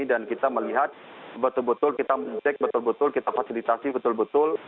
dan kita melihat betul betul kita mengecek betul betul kita fasilitasi betul betul